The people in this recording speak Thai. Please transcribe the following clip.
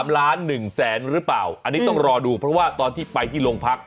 ๓ล้าน๑แสนหรือเปล่าอันนี้ต้องรอดูเพราะว่าตอนที่ไปที่โรงพัก